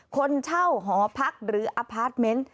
คนเช่าหอพักหรืออพาร์ทเมนต์